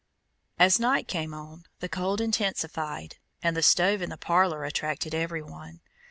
As night came on the cold intensified, and the stove in the parlor attracted every one.